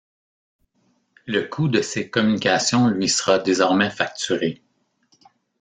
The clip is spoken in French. Le coût de ses communications lui sera désormais facturé.